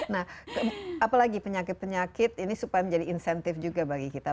nah apalagi penyakit penyakit ini supaya menjadi insentif juga bagi kita